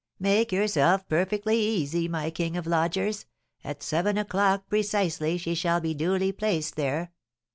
"Make yourself perfectly easy, my king of lodgers; at seven o'clock precisely she shall be duly placed there.